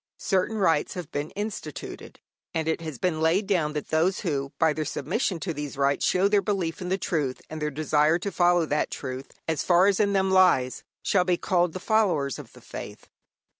Certain rites have been instituted, and it has been laid down that those who by their submission to these rites show their belief in the truth and their desire to follow that truth as far as in them lies, shall be called the followers of the faith.